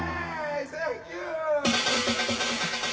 サンキュー！」